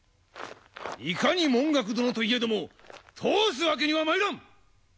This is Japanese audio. いかに文覚殿といえども通すわけにはまいらん！